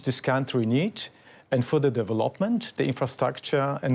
ต่ีการหรือเสรียรู้เอกให้เคยได้ส่งแรงแรกษ